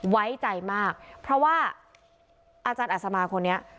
ไว้ใจมากเพราะว่าอาจารย์อัศมาคนนี้